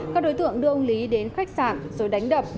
các đối tượng đưa ông lý đến khách sạn rồi đánh đập